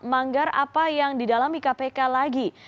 manggar apa yang didalami kpk lagi